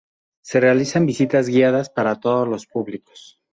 Se realizan visitas guiadas para todos los públicos.